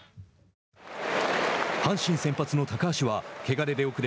阪神先発の高橋はけがで出遅れ